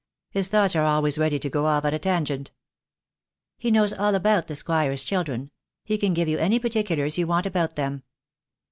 His thoughts are always ready to go off at a tangent." "He knows all about the Squire's children. He can give you any particulars you want about them."